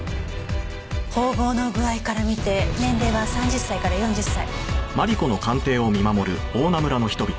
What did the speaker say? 縫合の具合から見て年齢は３０歳から４０歳。